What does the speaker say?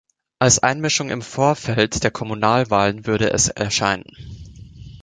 Als Einmischung im Vorfeld der Kommunalwahlen würde es erscheinen.